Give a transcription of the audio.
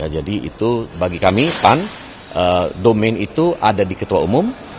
jadi itu bagi kami pan domain itu ada di ketua umum